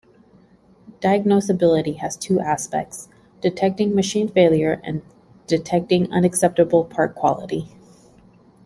Diagnosability has two aspects: detecting machine failure and detecting unacceptable part quality.